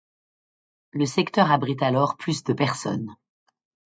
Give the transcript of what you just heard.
Le secteur abrite alors plus de personnes.